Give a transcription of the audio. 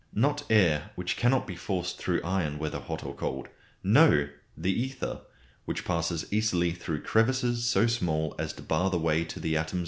Not air, which cannot be forced through iron whether hot or cold. No! the ether: which passes easily through crevices so small as to bar the way to the atoms of air.